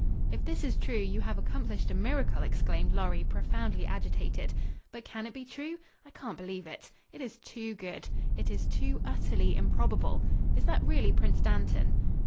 "If this Is true, you have accomplished a miracle," exclaimed Lorry, profoundly agitated. "But can it be true? I can't believe it. It is too good. It is too utterly improbable. Is that really Prince Dantan?"